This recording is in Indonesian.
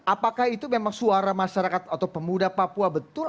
apakah itu memang suara masyarakat atau pemuda papua betul